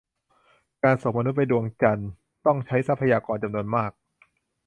การส่งมนุษย์ไปดวงจันทร์ ต้องใช้ทรัพยากรจำนวนมาก